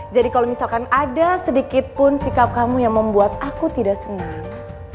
jadi kalau misalkan ada sedikit pun sikap kamu yang membuat aku tidak senang